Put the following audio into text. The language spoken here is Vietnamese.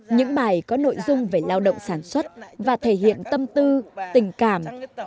những bài có nội dung về lao động sản xuất và thể hiện tâm tư tình cảm